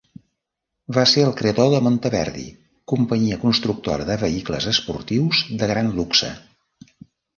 Va ser el creador de Monteverdi, companyia constructora de vehicles esportius de gran luxe.